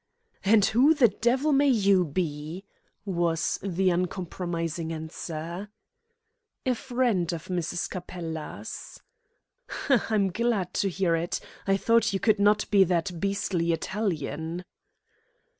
"And who the devil may you be?" was the uncompromising answer. "A friend of Mrs. Capella's." "H'm! I'm glad to hear it. I thought you could not be that beastly Italian."